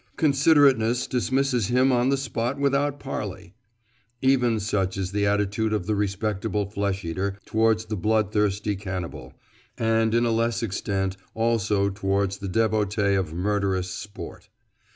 "Considerateness dismisses him on the spot without parley." Even such is the attitude of the respectable flesh eater towards the bloodthirsty cannibal, and in a less extent also towards the devotee of murderous "sport."